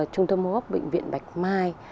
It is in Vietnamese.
trung tâm hỗ góp bệnh viện bạch mai